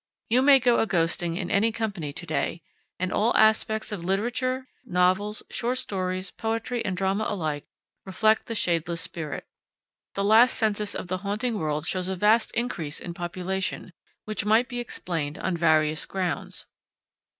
You may go a ghosting in any company to day, and all aspects of literature, novels, short stories, poetry, and drama alike, reflect the shadeless spirit. The latest census of the haunting world shows a vast increase in population, which might be explained on various grounds.